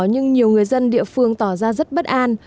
nhưng nhiều người dân địa phương tỏ ra rất bất an